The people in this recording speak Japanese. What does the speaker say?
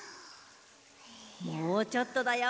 もうちょっとだよ。